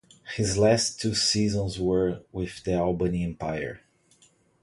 His last two seasons were with the Albany Empire.